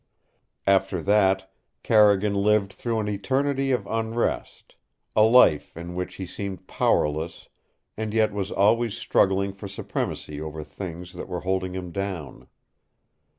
After that Carrigan lived through an eternity of unrest, a life in which he seemed powerless and yet was always struggling for supremacy over things that were holding him down.